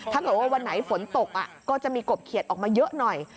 ถ้าเกิดว่าวันไหนฝนตกก็จะมีกบเขียดออกมาเยอะหน่อย